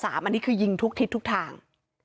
อันนี้คือยิงทุกทิศทุกทาง